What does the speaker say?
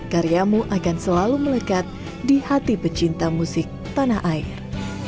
karyamu akan selalu melekat di hati pecinta musik tanah air